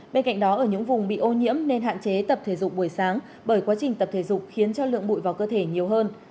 bên cạnh đó ở những vùng bị ô nhiễm nên hạn chế tập thể dục buổi sáng bởi quá trình tập thể dục khiến cho lượng bụi vào cơ thể nhiều hơn